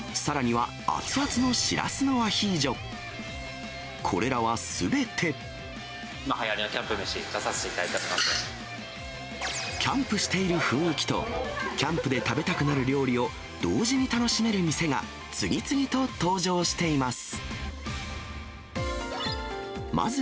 今はやりのキャンプめし、キャンプしている雰囲気と、キャンプで食べたくなる料理を同時に楽しめる店が、次々と登場しています。